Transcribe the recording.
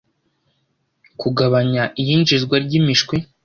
kugabanya iyinjizwa ry’imishwi